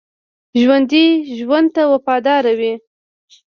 ژوندي ژوند ته وفادار وي